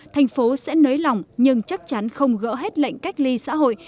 thành phố sẽ nới lỏng nhưng chắc chắn không gỡ hết lệnh cách ly xã hội